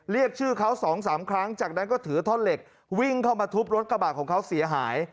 เรียกชื่อเขา๒๓ครั้งจากนั้นก็ถือท่อนเหล็กวิ่งเข้ามาทุบรถกระบาดของเขาเสียหาย